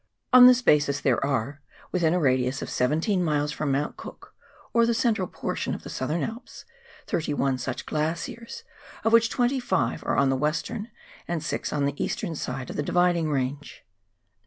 On this basis there are, within a radius of seventeen miles from Mount Cook — or the central portion of the Southern Alps — thirty one such glaciers, of which twenty five are on the western and six on the eastern side of the Dividing Range.